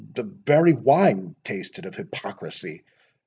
the very wine tasted of hypocrisy.